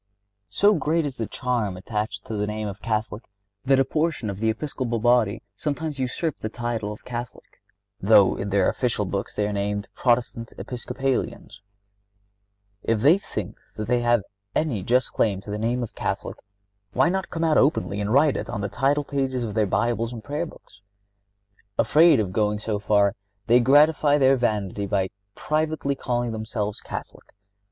So great is the charm attached to the name of Catholic that a portion of the Episcopal body sometimes usurp the title of Catholic, though in their official books they are named Protestant Episcopalians. If they think that they have any just claim to the name of Catholic, why not come out openly and write it on the title pages of their Bibles and Prayer Books? Afraid of going so far, they gratify their vanity by privately calling themselves Catholic.